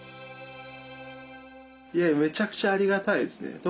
めちゃくちゃありがたいですね。